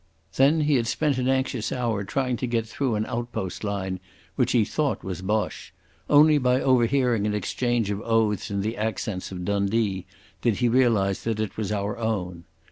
Then he had spent an anxious hour trying to get through an outpost line, which he thought was Boche. Only by overhearing an exchange of oaths in the accents of Dundee did he realise that it was our own....